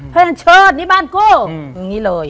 เพราะฉะนั้นเชิดนี่บ้านกูอย่างนี้เลย